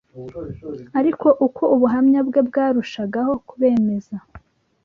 Ariko uko ubuhamya bwe bwarushangaho kubemeza